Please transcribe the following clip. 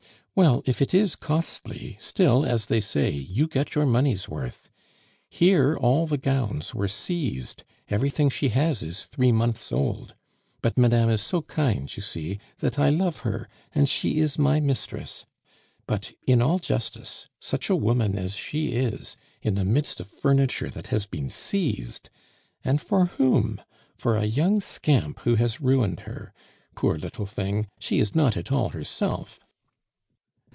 Well, if it is costly, still, as they say, you get your money's worth. Here all the gowns were seized, everything she has is three months old. But madame is so kind, you see, that I love her, and she is my mistress! But in all justice such a woman as she is, in the midst of furniture that has been seized! And for whom? For a young scamp who has ruined her. Poor little thing, she is not at all herself."